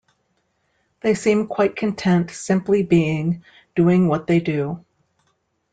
They seem quite content simply being, doing what they do.